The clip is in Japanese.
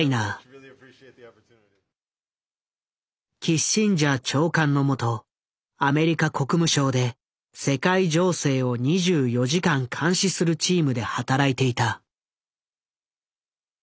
キッシンジャー長官の下アメリカ国務省で世界情勢を２４時間監視するチームで働いていた。